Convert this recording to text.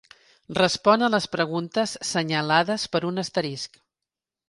Respon a les preguntes senyalades per un asterisc.